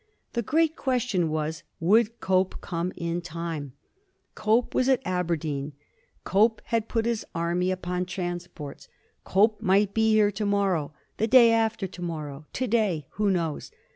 The great question was would Cope come in time? Cope was at Aberdeen. Cope had put his army upon transports. Cope might be here to morrow, the day after to morrow, to day, who knows